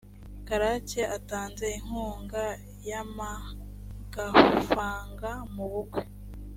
karake atanze inkunga y amagafanga mu bukwe